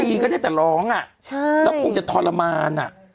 ดีก็ได้เนี่ยแต่ร้องลงจะทรมาน